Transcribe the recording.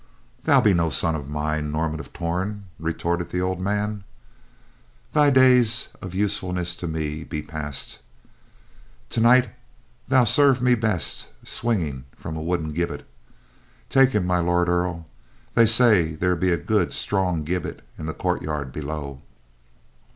"Thou be no son of mine, Norman of Torn," retorted the old man. "Thy days of usefulness to me be past. Tonight thou serve me best swinging from a wooden gibbet. Take him, My Lord Earl; they say there be a good strong gibbet in the courtyard below."